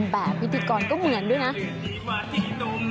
เอาเธอออกมาแยกมองแต่ละที